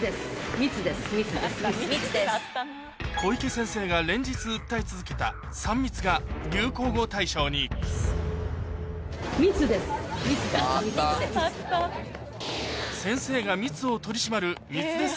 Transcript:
小池先生が連日訴え続けた「３密」が先生が密を取り締まる密です